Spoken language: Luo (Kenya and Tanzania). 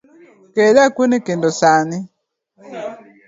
ket dakuon e kendo sani.